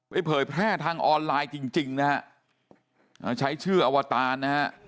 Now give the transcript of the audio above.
เผยแพร่ทางออนไลน์จริงจริงนะฮะใช้ชื่ออวตารนะฮะ